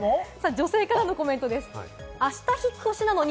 女性からのコメント、こちらです。